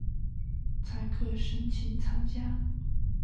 才可申请参加